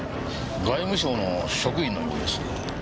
外務省の職員のようです。